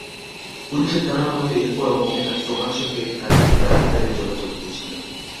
পুলিশের ধারণা, হয়তো এরপরও মোমেনা সোমার সঙ্গে নজিবুল্লাহ আনসারীর যোগাযোগ হয়েছিল।